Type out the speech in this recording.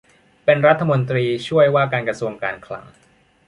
เป็นรัฐมนตรีช่วยว่าการกระทรวงการคลัง